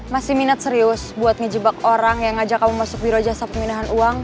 masih minat serius buat ngejebak orang yang ngajak kamu masuk biro jasa pemindahan uang